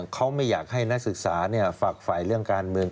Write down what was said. เขาไม่อยากให้นักศึกษาฝักฝ่ายเรื่องการเมือง